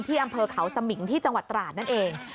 อำเภอเขาสมิงที่จังหวัดตราดนั่นเอง